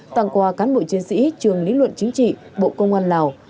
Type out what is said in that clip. tặng quà cán bộ chiến sĩ trường lý luận chính trị bộ công an lào